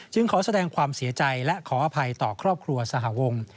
ขอแสดงความเสียใจและขออภัยต่อครอบครัวสหวง